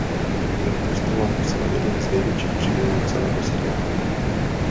Jeho postava napsala jeden z největších příběhů celého seriálu.